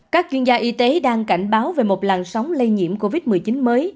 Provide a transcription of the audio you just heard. các chuyên gia y tế đang cảnh báo về một làn sóng lây nhiễm covid một mươi chín mới